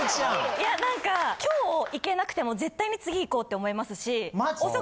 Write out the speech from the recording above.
いや何か今日行けなくても絶対に次行こうって思えますし。